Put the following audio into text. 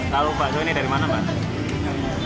tahu bakso ini dari mana mbak